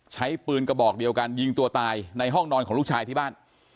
ใช้ปืนกระบอกเดียวกันยิงตัวตายในห้องนอนของลูกชายที่บ้าน